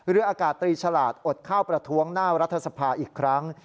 เรืออากาศตรีฉลาดอดข้าวประท้วงหน้ารัฐสภาอีกครั้ง